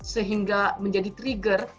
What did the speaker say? sehingga menjadi trigger